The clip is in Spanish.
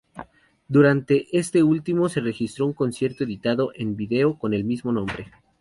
Durante este última se registró un concierto editado en video, con el mismo nombre.